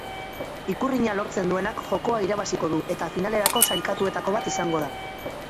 Ikurrina lortzen duenak jokoa irabaziko du eta finalerako sailkatuetako bat izango da.